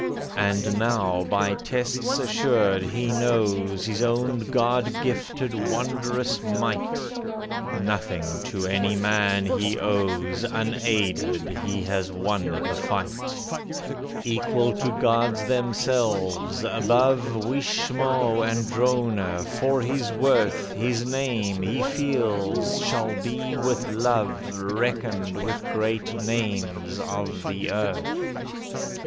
And now, by tests assured, he knows His own God gifted wondrous might, Nothing to any man he owes, Unaided he has won the fight; Equal to gods themselves, above Wishmo and Drona, for his worth His name, he feels, shall be with love Reckoned with great names of the earth.